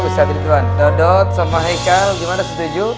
ustaz ridwan dodot sama heikal gimana setuju